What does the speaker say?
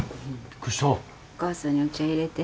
お母さんにお茶入れて。